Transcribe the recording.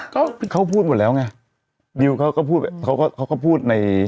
ก็เขาพูดหมดแล้วไงดิวเขาก็พูดเขาก็เขาก็พูดใน